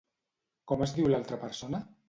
Com es diu l'altra persona?